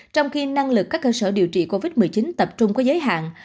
trong khi năng lực các cơ sở điều trị covid một mươi chín tập trung có giới hạn